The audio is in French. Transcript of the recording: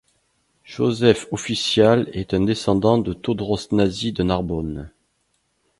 Joseph Official est un descendant de Todros Nasi de Narbonne.